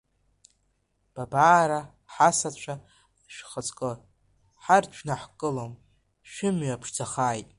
Бабараа, ҳасацәа шәхаҵкы, ҳарҭ шәнаҳкылом, шәымҩа ԥшӡахааит…